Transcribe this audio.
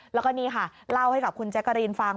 แล้วก็นี่ค่ะเล่าให้กับคุณแจ๊กกะรีนฟัง